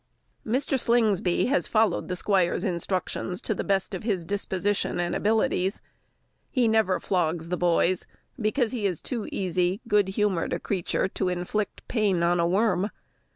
Mr. Slingsby has followed the squire's instructions to the best of his disposition and abilities. He never flogs the boys, because he is too easy, good humoured a creature to inflict pain on a worm.